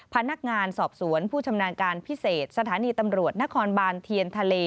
พนักงานสอบสวนผู้ชำนาญการพิเศษสถานีตำรวจนครบานเทียนทะเล